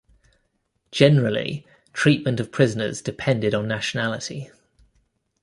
Generally treatment of prisoners depended on nationality.